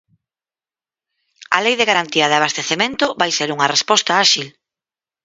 A Lei de garantía de abastecemento vai ser unha resposta áxil.